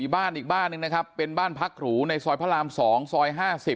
บ้านอีกบ้านหนึ่งนะครับเป็นบ้านพักหรูในซอยพระราม๒ซอย๕๐